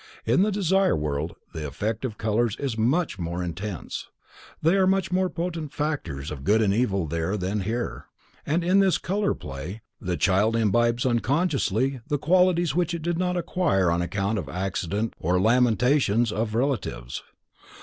In the Desire World the effect of colors is much more intense, they are much more potent factors of good and evil there than here, and in this color play, the child imbibes unconsciously the qualities which it did not acquire on account of accident or lamentations of relatives.